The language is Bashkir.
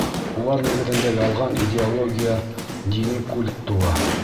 Улар нигеҙендә ялған идеология, дини культ тыуа.